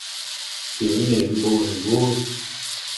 Kỉ niệm buồn vui